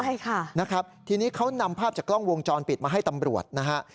ใช่ค่ะนะครับทีนี้เขานำภาพจากกล้องวงจรปิดมาให้ตำรวจนะฮะ